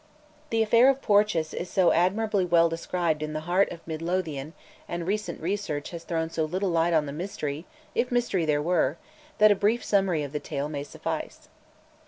The affair of Porteous is so admirably well described in 'The Heart of Mid Lothian,' and recent research has thrown so little light on the mystery (if mystery there were), that a brief summary of the tale may suffice.